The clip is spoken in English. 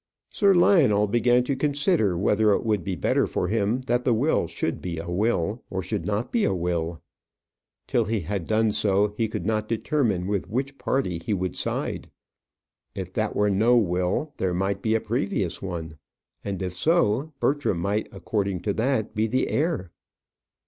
Sir Lionel began to consider whether it would be better for him that the will should be a will, or should not be a will. Till he had done so, he could not determine with which party he would side. If that were no will, there might be a previous one; and if so, Bertram might, according to that, be the heir.